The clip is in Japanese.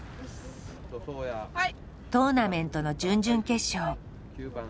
トーナメントの準々決勝。